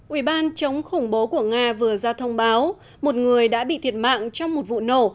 ủy ban chống khủng bố của nga vừa ra thông báo một người đã bị thiệt mạng trong một vụ nổ